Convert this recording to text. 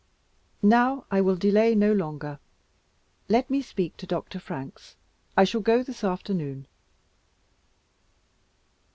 "Now I will delay no longer. Let me speak to Dr. Franks. I shall go this afternoon."